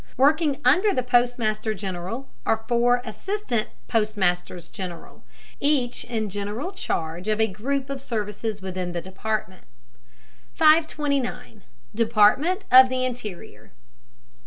Working under the Postmaster General are four assistant postmasters general, each in general charge of a group of services within the department. 529. DEPARTMENT OF THE INTERIOR.